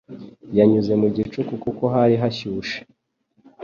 Yanyuze mu gicuku kuko hari hashyushe.